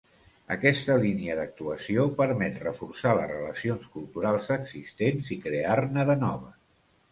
Aquesta línia d'actuació permet reforçar les relacions culturals existents i crear-ne de noves.